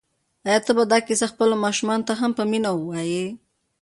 آیا ته به دا کیسه خپلو ماشومانو ته هم په مینه ووایې؟